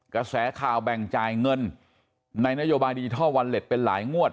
กระแสข่าวแบ่งจ่ายเงินในนโยบายดิจิทัลวอลเล็ตเป็นหลายงวด